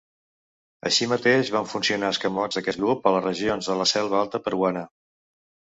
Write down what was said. Així mateix van funcionar escamots d'aquest grup a les regions de la selva alta peruana.